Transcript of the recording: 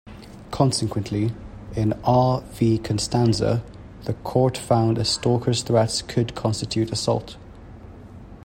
Consequently, in "R v Constanza", the court found a stalker's threats could constitute assault.